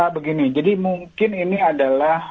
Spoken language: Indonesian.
begini jadi mungkin ini adalah